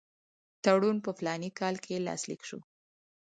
تړون په فلاني کال کې لاسلیک شو.